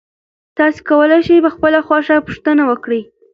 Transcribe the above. تاسي کولای شئ په خپله خوښه پوښتنه وکړئ.